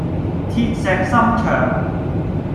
鐵石心腸